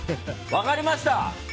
分かりました！